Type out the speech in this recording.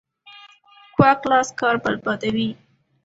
کوږ لاس کار بربادوي